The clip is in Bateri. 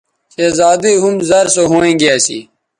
شہزادی ھم زر سو ھوینگے اسی